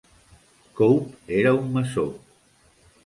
Cope era un maçó.